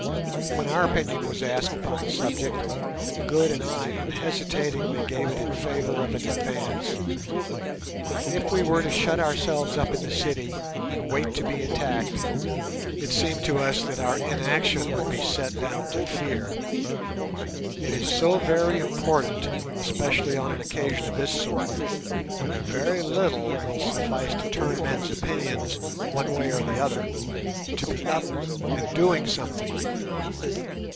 When our opinion was asked upon the subject, Good and I unhesitatingly gave it in favour of an advance. If we were to shut ourselves up in the city and wait to be attacked, it seemed to us that our inaction would be set down to fear. It is so important, especially on an occasion of this sort, when a very little will suffice to turn men's opinions one way or the other, to be up and doing something.